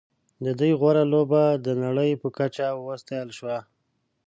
د دوی غوره لوبه د نړۍ په کچه وستایل شوه.